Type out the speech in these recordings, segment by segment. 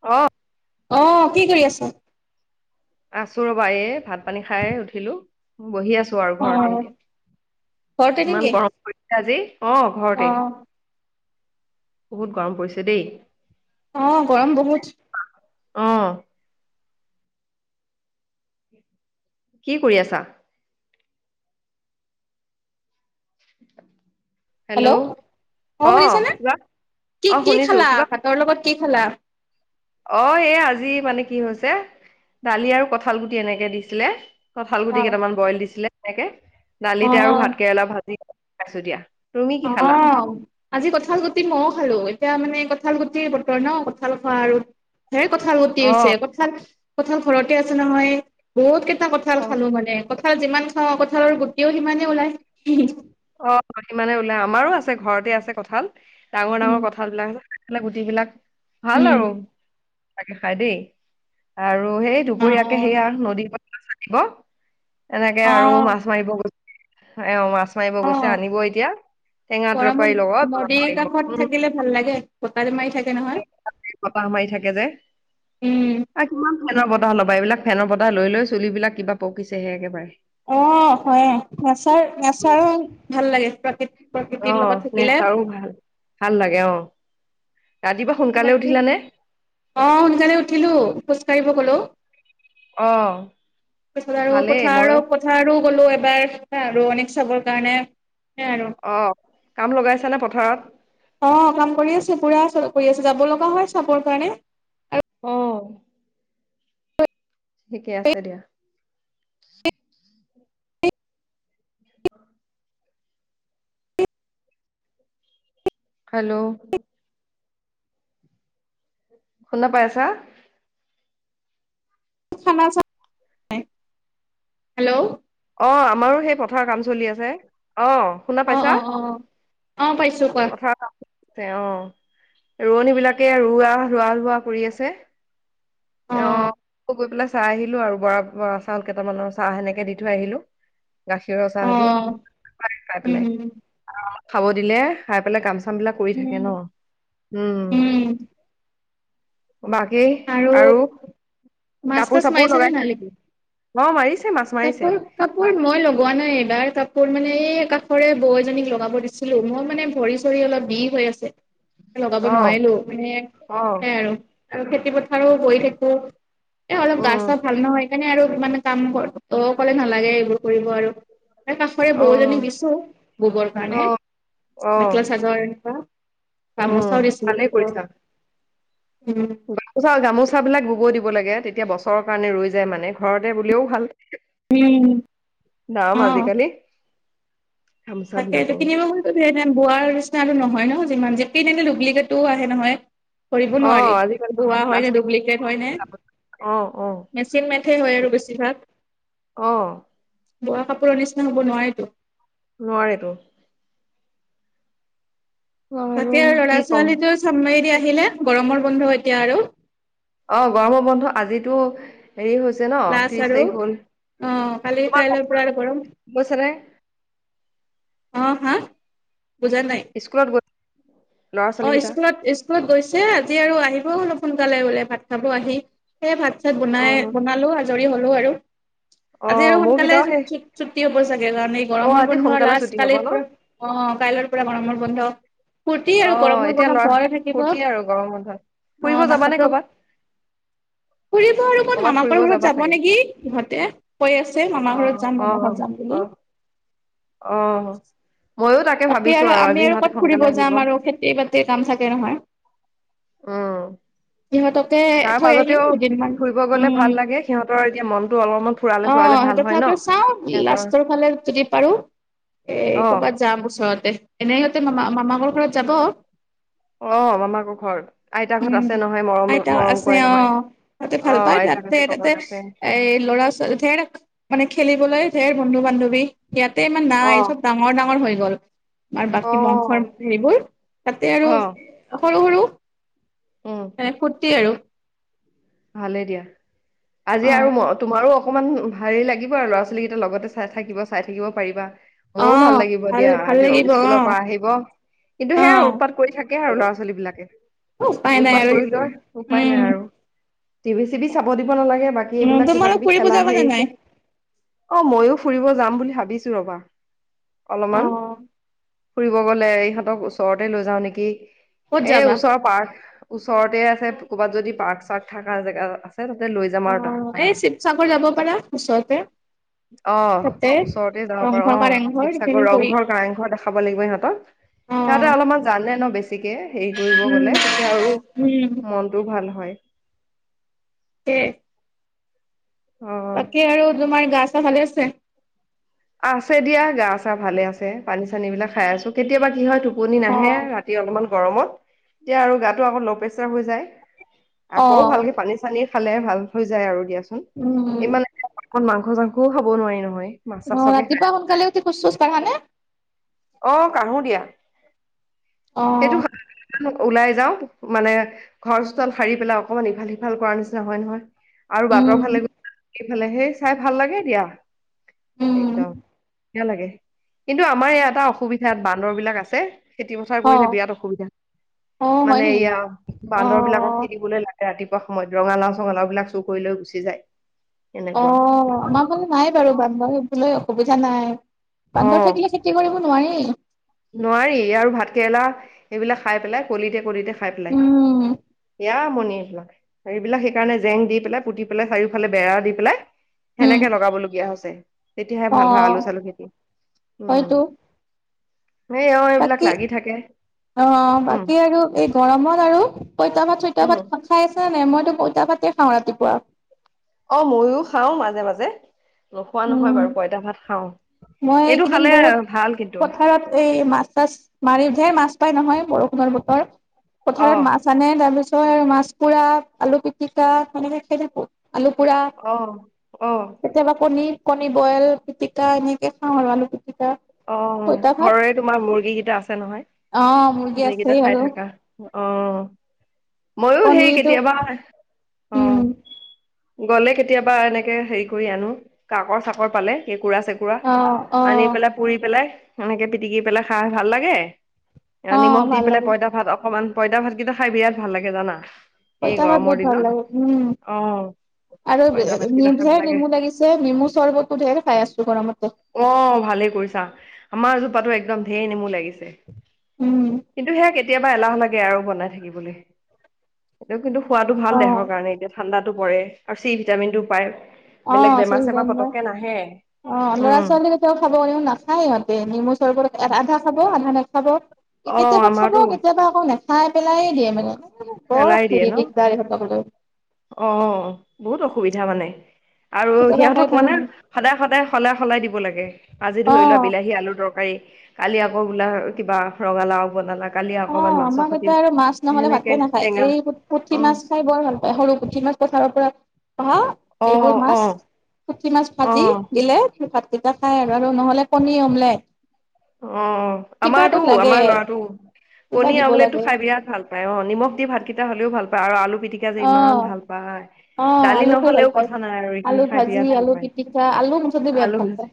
অ', অ', কি কৰি আছো? আছো ৰ'বা এই ভাত পানী খাই উঠিলো। বহি আছোঁ আৰু অ ঘৰতে এতিয়া। ঘৰতে ইমান নেকি? গৰম পৰিছে আজি অ, অ ঘৰতে বহুত গৰম পৰিছে দেই। অ', গৰম বহুত। অ', কি কৰি আছা? [inaudible] হেল্ল' অ', শুনিছানে, কিবা কি অ কি শুনিছো খালা কিবা ভাতৰ লগত কি খালা? অ', এই আজি মানে কি হৈছে দালি আৰু কঁঠাল গুটি এনেকে দিছিলে কঁঠাল গুটি অ কেইটামান বইল দিছিলে এনেকে অ দালিতে আৰু ভাত কেৰেলা ভাজি খাইছো দিয়া। তুমি কি খালা অ', আজি কঁঠাল গুটি ময়ো খালো, এতিয়া মানে কঁঠাল গুটিৰ বতৰ ন' কঁঠাল খোৱা আৰু ধেৰ কঁঠাল গুটি অ হৈছে, কঁঠাল কঁঠাল ঘৰতে আছে নহয় বহুত কে টা কঁঠাল অ খালো মানে, কঁঠাল যিমান খাওঁ, কঁঠালৰ গুটিও সিমানে ওলায়। অ', মানে ওলাই আমাৰো আছে ঘৰতে আছে কঁঠাল ডাঙৰ উম ডাঙৰ কঁঠাল বিলাক মানে গুট বিলাক ভাল উম আৰু তাকে খাই দেই। আৰু সেই অ দুপৰীয়াকে সেইয়া নদীৰ পাৰত চাকিব এনেকে অ আৰু মাছ মাৰিব গৈ অ, মাছ মাৰিব গৈছে অ আনিব এতিয়া। টেঙা তৰকাৰীৰ লগত গৰমত বনাব নদীৰ লাগিব কাষত উম থাকিলে ভাল লাগে বতাহতো মাৰি থাকে নহয়। বতাহ মাৰি থাকে যে উম, আৰু কিমান ফেনৰ বতাহ লবা, এইবিলাক ফেনৰ বতাহ লৈ লৈ চুলিবিলাক কিবা পকিছেহে একেবাৰে। অ', হয়ে নেচাৰ নেচাৰৰ ভাল লাগে প্ৰকৃতি অ', নেচাৰো ভাল, ভাল লাগে অ, ৰাতিপুৱা সোনকালে বাকী উঠিলা নে? অ', সোনকালে উঠিলো খোজ কঢ়িব গলো। অ তাৰপিছত আৰু ভালেই পথাৰ ময়ো পথাৰো গলো এবাৰ আৰু অনেক চাবৰ কাৰণে সেই আৰু। অ', কাম লগাইছা নে পথাৰত? অ', কাম কৰি আছে পুৰা কৰি আছে, যাব লগা হয় চাবৰ কাৰণে। অ', ঠিকে আছে দিয়া। আৰু [inaudible] হেল্ল'। শুনা পাই আছা? [unintelligible] হেল্ল' অ', আমাৰো সেই পথাৰৰ কাম চলি আছে, অ'। শুনা অ', পাইছা? অ', অ', অ', পাইছো ক অ', পথাৰৰ ৰোৱনী বিলাকে ৰোৱা, ৰোৱা ৰোৱা কৰি আছে। অ অহ। গৈ পেলাই চাই আহিলো আৰু, বৰা চাউল কেইটামানৰ চাহ সেনেকে দি থৈ আহিলো। গাখীৰ অ চাহদি, [unintelligible] খাই পেলাই উম অলপ, খাব দিলে খাই পেলাই কাম কামবিলাক কৰি থাকে উম ন', উম, বাকি? আৰু মাছ কাপোৰ তাছ চাপোৰ মাৰিছে নে লগাইছা নাই? নেকি? অ', মাৰিছে মাছ। মাৰিছে কাপোৰ, কাপোৰ মই লগোৱা নাই, এইবাৰ কাপোৰ মানে এই কাষৰেই বৌ এজনীক লগাব দিছো। মই মানে ভৰি চৰি অলপ বিষ হৈ আছে। লগাব অ', নোৱাৰিলো, মানে অ'। সেয়াই আৰু, আৰু খেতি পথাৰো গৈ থাকো। এ অলপ গা উম, চা ভাল নহয়, সেইকাৰণে আৰু মানে কাম অ', কলে নালাগে, এইবোৰ কৰিব আৰু। এই কাষৰে অ', বৌজনীক দি ববৰ কাৰণে, অ', অ', মেখেলা চজৰ এনেকুৱা। উম, গামোচাওঁ ভালেই দিছোঁ কৰিছা। [unintelligible] উম। গামোচা, গামোচাবিলাক বব দিব লাগে, তেতিয়া বছৰৰ কাৰণে ৰৈ যায় মানে, ঘৰতে বলেও ভাল। উম নাম অ আজিকালি। গামোচা তাকে ত' বিলাকৰ। কিনিবা মতো বোৱাৰ নিচিনাটো নহয় ন, যিমান যেই তেনেকে ডুপ্লিকেটো আহে নহয়। ধৰিবই অ', নোৱাৰি, আজিকালি বোৱা হয় নে, প্লাষ্টিক ডুপ্লিকেট হয় নে? গামোচা অ', অ'। মেচিন মেথে হয় আৰু বেছিভাগ। অহ। বোৱা কাপোৰৰ নিচিনা হ'ব নোৱাৰেতো। নোৱাৰেতো। আৰু তাকেই কি ল'ৰা ক'ম ছোৱালীটো চাব মেদি আহিলে, গৰমৰ বন্ধ এতিয়া আৰু। অ', গৰমৰ বন্ধ আজিতো হেৰি হৈছে ন, লাষ্ট ত্ৰিশ আৰু তাৰিখ হল, অ কালি তোমাৰ কাইলৈৰ পৰা আৰু [unintelligible] গৰম হৈছে নে? অ', হা? বুজা নাই, স্কুলত গৈ ল'ৰা ছোৱালী অ', কেইটা স্কুলত স্কুলত গৈছে, আজি আৰু আহিব, অলপ সোনকালে হ'লে ভাত খাব আহি, সেই ভাত চাত বনাই, অ', বনালো আজৰি হ'লো আৰু। আজি আৰু অ', মোৰ সোনকালে কেইটাও সেই ছুটি হ'ব চাগে, কাৰণ এই অ', গৰমৰ আজি বন্ধৰ সোনকালে লাষ্ট ছুটি হ'ব কাই ন? পৰা অ', কাইলৈৰ পৰা গৰমৰ বন্ধ। ফূৰ্তি আৰু অ', গৰমৰ এতিয়া বন্ধ লৰা, ভয় থাকিব ফূৰ্তিয়েই আৰু অ গৰম বন্ধত, ফুৰিব যাবা নে মাথাটো কৰ'বাত? [inaudible] ফুৰিব আৰু ক'ত? কৰ'বাত ফুৰিব মামাকৰ ঘৰত যাবা যাব চাগে নেকি ইহঁতে, কৈ আছে অ মামাৰ ঘৰত যাম অ মামা ঘৰত যাম অ বুলি। অ', ময়ো তাকে তাকেই ভাবিছো আৰু, আজি আমি আৰু সিহঁতে ক'ত ফুৰিব সোনকালে আহিব যাম আৰু, খেতি বাতিৰ কাম থাকে নহয়। অ'। সিহঁতকে তাৰ থৈ আহিম মাজতেও দুদিনমান ফুৰিব গ'লে উম ভাল লাগে, সিহঁতৰ এতিয়া মনতটো অলপমান ফুৰালে অ চুৰালে ভাল হয় ন, তথাপিও চাওঁ সিহতৰ লাষ্টৰ ফালে যদি পাৰো এ অ কৰ'বাত যাম ওচৰতে, এনে সিহঁতে মামা মামকৰ ঘৰত যাব। অ', মামাকৰ ঘৰত উম আইতাহত আছে নহয়, মৰম আইতা মৰম আছে কৰে অ নহয়। তাতে ভাল অ পায় আইতাক তাতে, আছে তাতে ককাক আছে এ ল'ৰা ছোৱালী ৰে মানে খেলিবলৈ ধেৰ বন্ধু বান্ধৱী, ইয়াতে ইমান অ নাই, চব ডাঙৰ ডাঙৰ হৈ গ'ল। আৰু অ বাকী বংশৰ সেইবোৰ, তাতে আৰু অ সৰু সৰু। উম মানে ফূুৰ্তি আৰু। ভালেই দিয়া, অ আজি আৰু ম তোমাৰো অকমান হেৰি লাগিব আৰু, ল'ৰা ছোৱালী কেইটা লগতে চাই, থাকিব চাই থাকিব পাৰিবা। অ', ভাল লাগিব দিয়া ভাল আজি লাগিব অ স্কুলৰ পৰা আহিব। কিন্তু অ সেয়য়া আৰু উৎপাত কৰি থাকে আৰু ল'ৰা ছোৱালী বিলাকে উপায় নাই উৎপাত আৰু কৰি সেইটো লোৱাৰ উপায় উম নাই আৰু। টিভি চি ভি চাব দিব নালাগে বাকী উম এইবিলাক কিবা তোমালোক কিবি ফুৰিব খেলা যাবানে হেৰিছে নাই অ', ময়ো ফুৰিব যাম বুলি ভাবিছো ৰবা অ অলপমান ফুৰিব গলে ইহঁতক ওচৰতে লৈ যাও নেকি ক'ত এই যাবা ওচৰৰ পাৰ্ক ওচৰতে আছে ক'ৰবাত যদি পাৰ্ক চাৰ্ক থকা জেগা আ তাতে লৈ যাম। আৰু অ', তাহাঁতক এই শিৱসাগৰ যাব পাৰা ওচৰতে অ', তাতে ওচৰতে যাব পাৰো ৰংঘৰ অ কাৰেংঘৰ সেইখিনি শিৱসাগৰ ফুৰি ৰংঘৰ কংঘৰ দেখা খাব লাগিব সিহতক সিহঁতে অ'। অলপমান জানে ন বেছি গতিকে হেৰি কৰিব উম, গ'লে তেতিয়া আৰু উম, মনটোও ভাল হয় উ অ'। বাকী আৰু তোমাৰ গা চা ভালে আছে। আছে দিয়া গা চা ভালে আছে পানী চানী বিলাক খাই আছোঁ কেতিয়াবা কি হয় টোপনি নাহে অ', ৰা ৰা অলপমান গৰমত এতিয়া আৰু গাটো আকৌ ল' প্ৰেচাৰ হৈ যায় আকৌ অ', ভালকে পানী চানী খালে ভাল হৈ যায় আৰু দিয়াচোন উম। ইমান এ অমান মাংস চাংসও খাব নোৱাৰি নহয়। মাছ অ', চাছকে খাই ৰাতিপুৱা সোনকালে খোজ চোজ কাঢ়া নে। অ', কাহো দিয়া অ সেইটো ওলাই যাও মানে ঘৰ চোতাল সাৰি পেলাই অকমান ইফাল সিফাল কৰ নিচিনা হয় নহয় আৰু বাটৰ উম, ফালে গ সেইফালে সেই চাই ভাল লাগে দিয়া। উম একদম লাগে কিন্তু আমাৰ ইয়াত এটা অসুবিধাতাত বান্দৰ বিলাক আছে খেতি পথাৰ কৰিলে অ', বিৰাট অসুবিধা অ', হয় মানে নেকি? এয়া বান্দৰ বিলাকক অ', খেদিবলৈ লাগে ৰাতিপুৱা সময়ত ৰঙালাও চঙালাও বিলাক চুৰ কৰি লৈ গুচি যায় এনেকুৱা। অ', আমাৰ ফানে নাই বাৰু বান্দৰ থ'বলৈ অসুবিধা নাই অ বান্দৰ থাকিলে কি কৰিব নোৱাৰি। নোৱাৰি আৰু ভাত কেৰেলা এইবিলাক খাই পেলাই কলিতে কলিতে খাই পেলাই উম, ইয়া মণি চাৰ এইবিলাক সেইকাৰণে জেং দি পেলাই পুতি পেলাই চাৰিওফালে বেৰা দি পেলাই উম, সেনেকে লগাব লগগীয়া হৈছে তেতিয়াহে ভাল হয় আলু অ', চালু খেতি উম হয়তো এই অ এইবিলাক বাকী লাগি থাকে অ', উম বাকী আৰু এই গৰমত আৰু পঁইতা ভাত চইতা উম ভাত খাই আছা নাই মইতো পইতা ভাতে খাওঁ ৰাতিপুৱা অ', ময়ো খাও মাজে, মাজে নোখোৱা নহয় উম বাৰু পঁইতা ভাত খাওঁ। মই এইটো এইকেইদিন খালে বহুত ভাল কিন্তু পথাৰত এই মাছ চাছ মাৰিতহে মাছ পাই নহয় বৰষুণৰ বতৰ অ পথাৰত মাছ চানে তাৰ পিছত মাছ পোৰা আলু পিটিকা সনেকে খাই থাকো আলু পুৰা অ', অ'। কেতিয়াবা কণী কণী বইল পিটিকা এনেকে খাওঁ আৰু আলুহ পিটিকা অ', পইতা ভাত ঘৰৰে তোমাৰ মুৰ্গী কেইটা আছে নহয়। অ', মুৰ্গী কেইটা আছেছে খাই আৰু আৰু থাকা অ', ময়ো সেই কণীটো কেতিয়াবা উম অ' গ'লে কেতিয়াবা এনেকে হেৰি কৰি আনো কাকৰ চাকৰ পালে চেকু পুৰা অ অ আনি পেলাই পুৰি পেলাই সেনেকে পিটিকি পেলাই খাই ভাল লাগে। অ নিমখ দি ভাল পেলাই লাগে পইতা ভাত অকমান পইতা ভাতকিটা খাই বিৰাট ভাল লাগে জানা প এই ইতা‌ ভাত গৰমৰ বহুত ভাল দিনত লাগে উম। অ আৰু পঁইতা ভাতকেইটা খাই ভাল লাগে নেমু লাগিছে নেমু চৰ্বতো ঢেৰ খাই আছো গৰমতে অ', ভালে কৰিছা আমাৰ জোপাতো একদম ঢেৰ নেমু লাগিছে। উম। কিন্তু সেয়া কেতিয়াবা এলাহ লাগে আৰু বনাই থাকিবলে। [unintelligible] কিন্তু খোৱাটো ভাল দেহৰ কাৰণে এতিয়া ঠাণ্ডাতটো পৰে আৰু চি ভিটামিনটো পায়। অ বেলেগ বেমাৰ চেমাৰ চিজনবা পতকে নাহে, অ ল'ৰা উম। [unintelligible] খাব এনেও নাখায় ইহঁতে, নেমু চৰ্বত আধা খাব আধা নাখাব। অ কেতিয়াবা খাব আমাৰতো কেতিয়াবা আকৌ নাখায় পেলায়ে দিয়ে মানে। বৰ পেলাই দিয়ে হেৰি ন, দিগদাৰ ইহঁতক লৈ অ', বহুত অসুবিধা মানে। আৰু কেতিয়াবা খাই সিহঁতক মানে কেতিয়াবা নাখায় সদায়, সদায় সলাই, সলাই দিব লাগে। আজি ধৰি লোৱা অ বিলাহী আলু তৰকাৰী, কালি আকৌ ওলা কিবা ৰঙালাও বনালা কালিয়া অ অকনমান মাছৰ আমাৰ সতি, ইয়াতে আৰু মাছ নহলে সেনেকে। ভাতে নাখায় টেঙা এই পুঠি অ মাছ খাই বৰ ভালপায় সৰু পুঠি মাছ পথাৰৰ পৰা অহা। এইবোৰ অ', মাছ অ'। পুঠি মাছ অ ভাজি দিলে ভাতকেইটা খাই আৰু আৰু নহ'লে কণী অমলেট। অ', আমাৰতো কিবাটোত লাগে আমাৰ ল'ৰাটোও, কিবা কণী দিব আমলেটটো লাগে খাই বিৰাট ভাল অ', নিমখ দি ভাতকেইটা হ'লেও ভালপায় আৰু আলু পিটিকা যে অ ইমান ভালপায়। অ দালি আলু খাই ভাল নহ'লেও পায় কথা নাই আৰু আলু এইখিনি খাই বিৰাট ভাজি আলু পিটিকা আলু মুঠতে ভালপায় বিৰাট আলু ভাল পায় ভাজি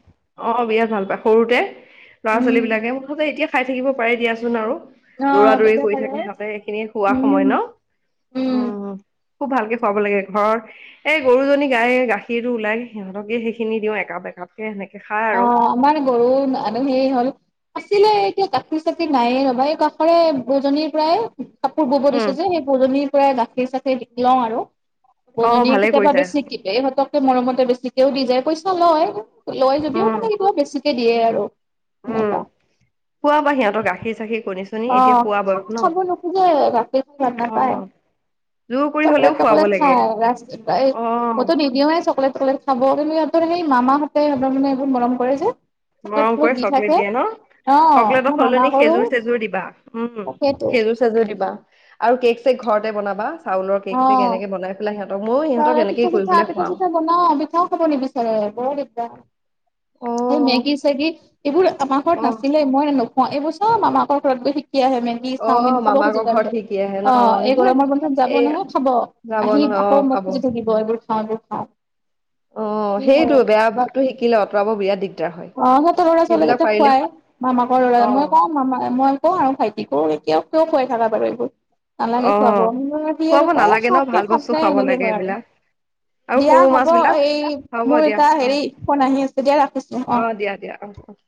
অ', বিৰাট ভালপায় সৰুতে ল'ৰা ছোৱালীবিলাকে উম মুঠতে এতিয়া খাই থাকিব পাৰে দিয়াচোন আৰু। অ দৌৰা, দৌৰি বুজা কৰি থাকে পাৰে সিহতে সেইখিনিয়ে খোৱা উম সময় ন, উম অ'। খুব ভালকে খুৱাব লাগে ঘৰৰ এই গৰুজনী গাই- গাখীৰটো ওলাই সিহঁতকে সেইখিনি দিওঁ একাপ, একাপকে সেনেকে খাই অ আৰু। আমাৰ গৰু [unintelligible] হ'ল আছিলে এতিয়া গাখীৰ চাখীৰ নাইয়ে ৰ'বা এই কাষৰে বৌজনীৰ পৰাই কাপোৰ ব'ব দিছ উম যে, সেই বৌজনীৰ পৰাই গাখীৰ চাখীৰ লওঁ আৰু। অ বৌজনীয়ে ভালে কেতিয়াবা কৰিছে বেছিকে এই ইহঁতকে মৰমতে বেছিকেও দি যায় পইচা লয়, লয় যদিও উম মানে কিবা বেছিকে দিয়ে আৰু। সেনেকুৱা উম, খুৱাবা সিহঁতৰ গাখীৰ চাখীৰ কণী চ অ', খাব খাব নখোজেই, গাখীৰ ভাল অ নাপায়। জোৰ কৰি হলেও চকলেট, খুৱাব টকলেট লাগে খাই ৰা, অ মইতো নিদিওয়েই চকলেট, টকলেট। খাব, সিহতৰ সেই মামাহঁতে তাৰমানে বহুত মৰম কৰে যে। চকলেট মৰম টকলেট কৰি দি চকলেট থাকে দিয়ে ন! অ মই চকলেটক মানা সলনি কৰো খেজুৰ চেজুৰ দিবা। উম, তাকেইতো খেজুৰ চেজুৰ দিবা আৰু কেক চেক ঘৰতে বনাবা চাউলৰ অ কেক চেক এনেকে বনাই পেলাই সিহঁতক ময়ো সিহঁতক এনেকে কৰি পেলাই খোৱাও। [unintelligible] কেতিয়াও খাব নিবিচাৰে বৰ দিগদাৰ। অ এই মেগী চেগী এইবোৰ আমাৰ ঘৰত নাছিলে মই নোখোৱা এইবোৰ চব মামাকৰ ঘৰত গৈ শিক কি আহে মেগী অ চাওমিন অ' খাব [unintelligible] মামাকৰ ঘৰত তাৰপিছত শিকি আহে ন অ', এই সেইবিলাক গৰমৰ বন্ধত যাব এ নহয় খাব। যাব আহি নহয় অ আকৌ মই খাব খুজি থাকিব এইবোৰ খাওঁ, এইবোৰ খাওঁ। অ', সেই সেইটো আৰু বেয়া অভ্যাসতো শিকিলে অঁতৰাব বিৰাট দিগদাৰ। হয় অ', সিহঁৰ লৰা সেইবিলাক ছোৱালীকিটাক পাৰিলে খোৱাই মামাকৰ ল'ৰা, অ মই কওঁ মামাক মই কওঁ আৰু ভাইটিকো এতিয়া কিয় খুৱাই থাকা বাৰু এইবোৰ! নালাগে, অ খোৱাব [unintelligible] সি খুৱাব আৰু কয় নালাগে ন খাওঁক দে, ভাল খাওঁক বস্তু দে খুৱাব এনেকে লাগে কয় আৰু। এইবিলাক আৰু দিয়া সৰু হ'ব, মাছ বিলাক এই হ'ব মোৰ দিয়া এটা অ হেৰি ফোন আহি আছে দিয়া ৰাখিছোঁ। অ', দিয়া, দিয়া অ', অ'।